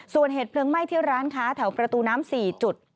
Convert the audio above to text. ส่วนเหตุเพลิงไหม้ที่ร้านค้าแถวประตูน้ำ๔จุด